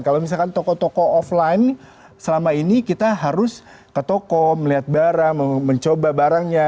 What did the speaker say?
kalau misalkan toko toko offline selama ini kita harus ke toko melihat barang mencoba barangnya